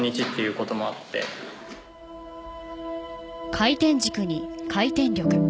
回転軸に回転力